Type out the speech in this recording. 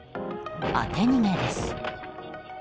当て逃げです。